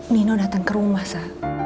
nino datang ke rumah masa